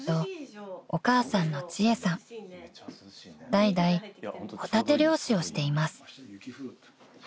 ［代々ホタテ漁師をしています］